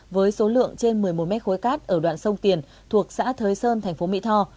với số lượng trên một mươi một mét khối cát ở đoạn sông tiền thuộc xã thới sơn thành phố mỹ tho